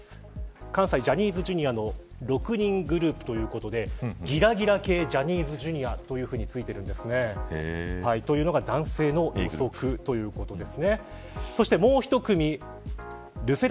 関西ジャニーズＪｒ．の６人グループということでギラギラ系ジャニーズＪｒ．とついていますがこれが男性の予測ということになります。